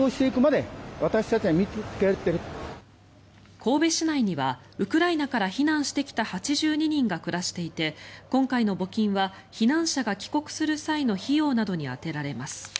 神戸市内にはウクライナから避難してきた８２人が暮らしていて今回の募金は避難者が帰国する際の費用などに充てられます。